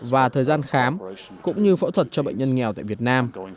và thời gian khám cũng như phẫu thuật cho bệnh nhân nghèo tại việt nam